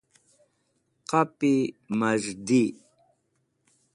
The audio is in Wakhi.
qapi maz̃h di